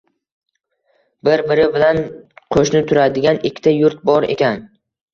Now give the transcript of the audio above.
Bir-biri bilan qo‘shni turadigan ikkita yurt bor ekan.